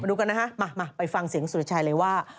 ดูกันนะฮะมาไปฟังเสียงสุรชัยเลยว่า